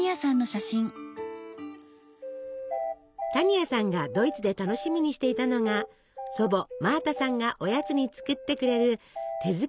多仁亜さんがドイツで楽しみにしていたのが祖母マータさんがおやつに作ってくれる手作りのケーキでした。